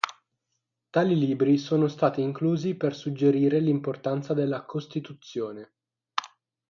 Tali libri sono stati inclusi per suggerire l'importanza della Costituzione.